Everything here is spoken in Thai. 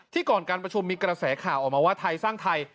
ก่อนการประชุมมีกระแสข่าวออกมาว่าไทยสร้างไทย